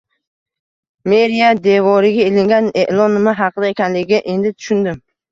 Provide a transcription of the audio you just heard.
Meriya devoriga ilingan e`lon nima haqida ekanligiga endi tushundim